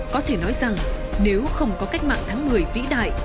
có thể nói rằng nếu không có cách mạng tháng một mươi vĩ đại